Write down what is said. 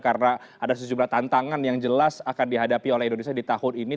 karena ada sejumlah tantangan yang jelas akan dihadapi oleh indonesia di tahun ini